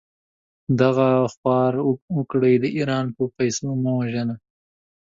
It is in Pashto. دغه خوار وګړي د ايران په پېسو مه وژنه!